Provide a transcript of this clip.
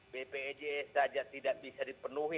bpjs saja tidak bisa dipenuhi